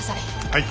はい。